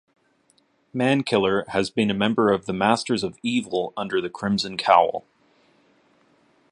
Man-Killer has been a member of the Masters of Evil under the Crimson Cowl.